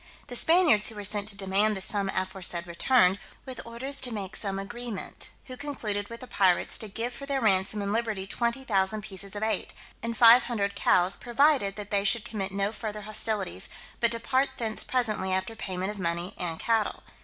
The Spaniards who were sent to demand the sum aforesaid returned, with orders to make some agreement; who concluded with the pirates to give for their ransom and liberty 20,000 pieces of eight, and five hundred cows, provided that they should commit no farther hostilities, but depart thence presently after payment of money and cattle.